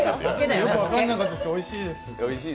よく分かんないですけどおいしいです。